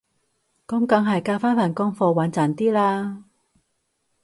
噉梗係交返份功課穩陣啲啦